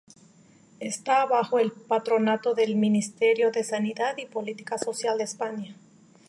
Está bajo el patronato del Ministerio de Sanidad y Política Social de España.